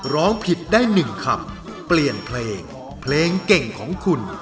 ร้องผิดได้๑คำเปลี่ยนเพลงเพลงเก่งของคุณ